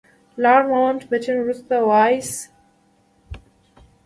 لارډ ماونټ بیټن وروستی وایسराय و.